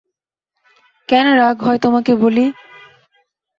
কেন রাগ হয় তোমাকে বলি।